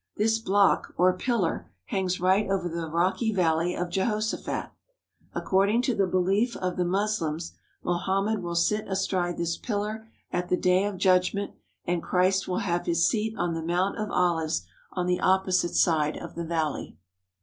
This block or pillar hangs right over the rocky Valley of Jehoshaphat. Ac cording to the belief of the Moslems, Mohammed will sit astride this pillar at the Day of Judgment, and Christ will have His seat on the Mount of Olives on the oppo site side of the valley.